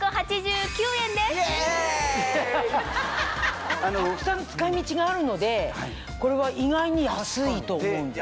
たくさん使い道があるのでこれは意外に安いと思うんです。